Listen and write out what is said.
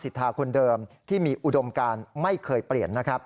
เพราะว่ามีทีมนี้ก็ตีความกันไปเยอะเลยนะครับ